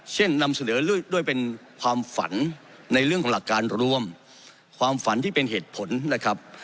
นำเสนอด้วยเป็นความฝันในเรื่องของหลักการรวมความฝันที่เป็นเหตุผลนะครับ